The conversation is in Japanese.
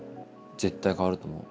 絶対変わると思う。